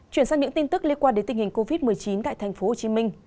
chuyển sang những tin tức liên quan đến tình hình covid một mươi chín tại tp hcm